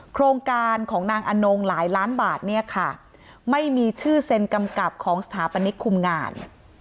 โครงการของนางอนงหลายล้านบาทเนี่ยค่ะไม่มีชื่อเซ็นกำกับของสถาปนิกคุมงาน